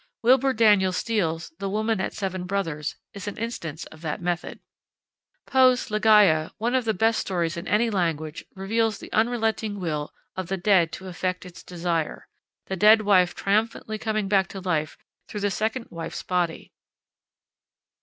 Wilbur Daniel Steele's The Woman at Seven Brothers is an instance of that method. Poe's Ligeia, one of the best stories in any language, reveals the unrelenting will of the dead to effect its desire, the dead wife triumphantly coming back to life through the second wife's body.